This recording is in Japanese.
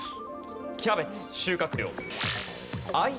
キャベツ収穫量。